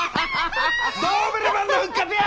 ドーベルマンの復活や！